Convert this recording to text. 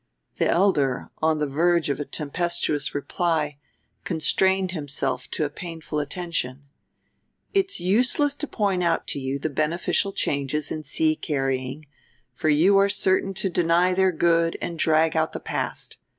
The elder, on the verge of a tempestuous reply, constrained himself to a painful attention. "It's useless to point out to you the beneficial changes in sea carrying, for you are certain to deny their good and drag out the past.